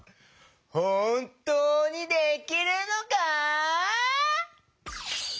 ほんとうにできるのか？